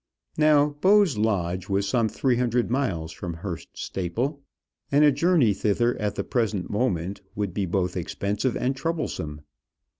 Now Bowes Lodge was some three hundred miles from Hurst Staple, and a journey thither at the present moment would be both expensive and troublesome.